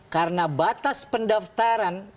karena batas pendaftaran